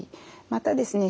またですね